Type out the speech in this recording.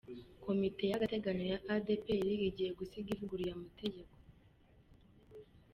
Komite y’agateganyo ya Adeperi igiye gusiga ivuguruye amategeko